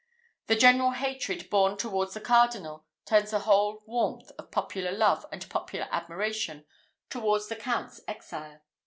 The general hatred borne towards the Cardinal turns the whole warmth of popular love and public admiration towards the Count's exile.